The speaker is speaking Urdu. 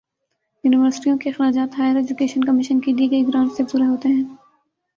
یونیورسٹیوں کے اخراجات ہائیر ایجوکیشن کمیشن کی دی گئی گرانٹ سے پورے ہوتے ہیں